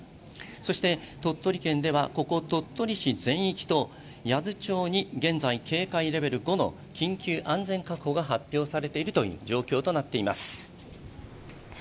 そして鳥取県ではここ鳥取市全域と矢津町に、現在警戒レベル５の緊急安全確保が発表されているという状況となっています。